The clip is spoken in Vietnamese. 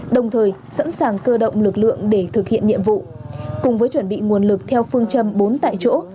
đồng thời sẵn sàng cơ động lực lượng để thực hiện nhiệm vụ cùng với chuẩn bị nguồn lực theo phương châm bốn tại chỗ